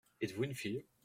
Êtes-vous une fille ?